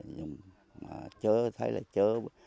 chứa thấy là chứa